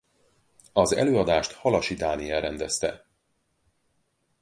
Az előadást Halasi Dániel rendezte.